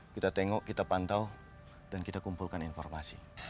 kita tengok kita pantau dan kita kumpulkan informasi